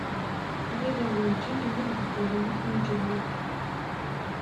Γileɣ werǧin lliɣ deg wallaɣ-ik imǧelleb.